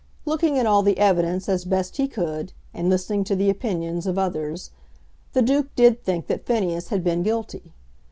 Looking at all the evidence as best he could, and listening to the opinions of others, the Duke did think that Phineas had been guilty.